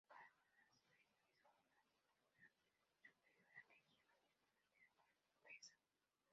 Cada monasterio es gobernado por una superiora, que lleva el título de abadesa.